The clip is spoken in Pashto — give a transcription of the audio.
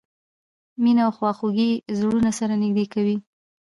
مینه او خواخوږي زړونه سره نږدې کوي.